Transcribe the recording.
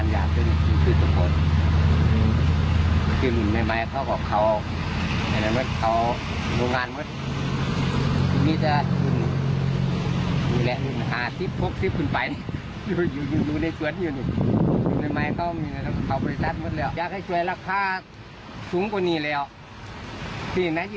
อยากให้รัฐบาลช่วยละคาด